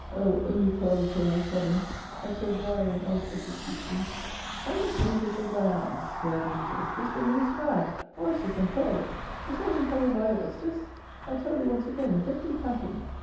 * O, only pearl,' said I, sobbing, * that sqjnle an oyster should keep thee !'' By the combcase of Diana !' sware Dametas, * this woman is mad. Oysters and pearls ! Dost thou think I will buy oysters? I tell thee once again, get thee packing.'